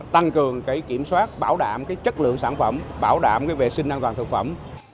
tăng cường cái kiểm soát bảo đảm cái chất lượng sản phẩm bảo đảm cái vệ sinh an toàn thực phẩm